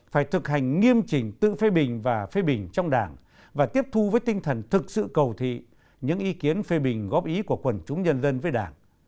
phải thực hành nghiêm trình tự phê bình và phê bình trong đảng và tiếp thu với tinh thần thực sự cầu thị những ý kiến phê bình góp ý của quần chúng nhân dân với đảng